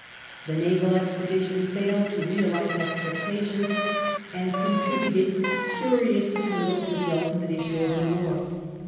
The naval expedition failed to realize expectations, and contributed curiously little to the ulti mate issue of the war.